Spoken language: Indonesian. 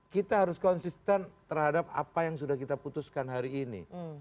kita harus konsisten terhadap apa yang sudah kita putuskan hari ini